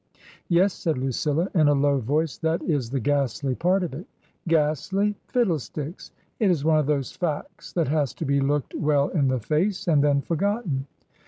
"Yes," said Lucilla, in a low voice; "that is the ghastly part of it." "Ghastly? Fiddlesticks! It is one of those facts that has to be looked well in the face and then forgotten.